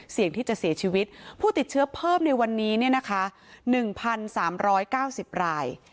เสี่ยงที่จะเสียชีวิตผู้ติดเชื้อเพิ่มในวันนี้๑๓๙๐ราย